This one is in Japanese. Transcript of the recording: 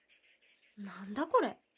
何だこれ。